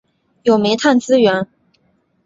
有煤炭资源。